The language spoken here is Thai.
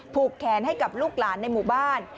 แขนให้กับลูกหลานในหมู่บ้าน